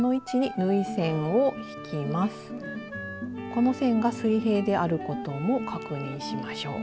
この線が水平であることも確認しましょう。